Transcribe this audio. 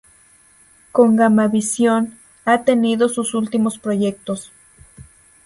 Con Gamavisión ha tenido sus últimos proyectos.